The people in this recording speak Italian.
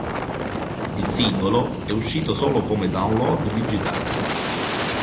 Il singolo è uscito solo come download digitale.